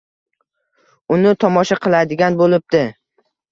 Uni tomosha qiladigan bo‘libdi.